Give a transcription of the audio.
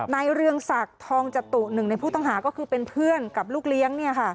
เรืองศักดิ์ทองจตุหนึ่งในผู้ต้องหาก็คือเป็นเพื่อนกับลูกเลี้ยง